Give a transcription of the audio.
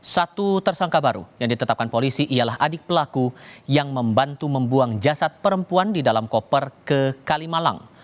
satu tersangka baru yang ditetapkan polisi ialah adik pelaku yang membantu membuang jasad perempuan di dalam koper ke kalimalang